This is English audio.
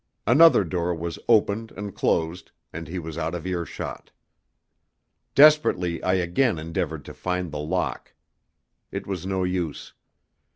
Another door was opened and closed, and he was out of earshot. Desperately I again endeavoured to find the lock. It was no use.